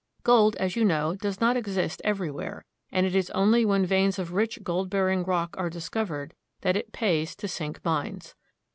Gold, as you know, does not exist everywhere, and it is only when veins of rich gold bearing rock are discovered that it pays to sink mines.